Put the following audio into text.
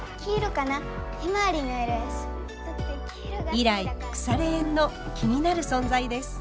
以来くされ縁の気になる存在です。